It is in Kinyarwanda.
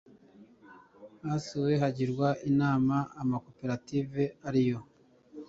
Hasuwe hagirwa inama ama koperative ariyo